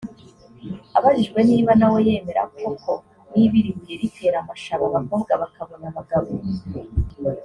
Abajijwe niba nawe yemera koko niba iri buye ritera amashaba abakobwa bakabona abagabo